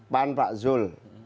pan pak zul